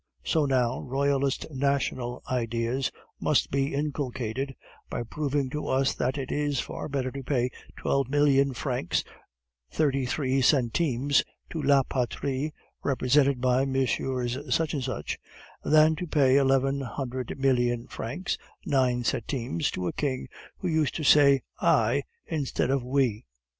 So now Royalist national ideas must be inculcated, by proving to us that it is far better to pay twelve million francs, thirty three centimes to La Patrie, represented by Messieurs Such and Such, than to pay eleven hundred million francs, nine centimes to a king who used to say I instead of we.